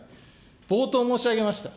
冒頭申し上げました。